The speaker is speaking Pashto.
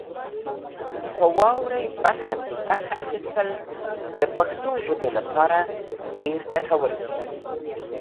په واورئ برخه کې برخه اخیستل د پښتو ژبې لپاره ډېر ګټور دي.